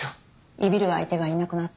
イビる相手がいなくなって。